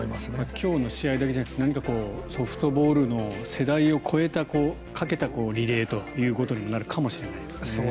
今日の試合だけじゃなくて何か、ソフトボールの世代を超えたかけたリレーということになるかもしれないですね。